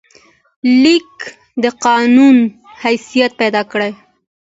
لیک د قانون حیثیت پیدا کړ.